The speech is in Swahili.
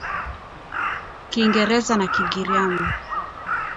Kiingereza na Kigiriama